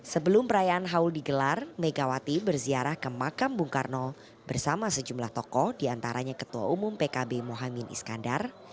sebelum perayaan haul digelar megawati berziarah ke makam bung karno bersama sejumlah tokoh diantaranya ketua umum pkb mohamad iskandar